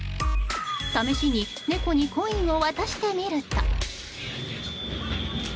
試しに猫にコインを渡してみると。